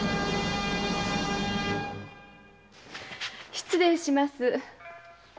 失礼します。